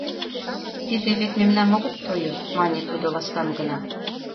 Тиде вет мемнам огыт тойо, — мане тудо ласкан гына.